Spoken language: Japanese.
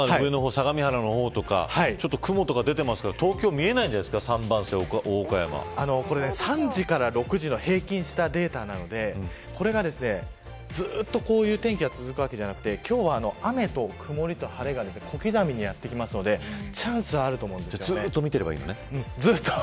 相模原の方とか雲とか出ていますけど、東京見えないじゃないんですか３時から６時の平均したデータなのでこれがずっとこういう天気が続くわけではなくて今日は、雨と曇りと晴れが小刻みにやって来るのでずっと見てればいいのね。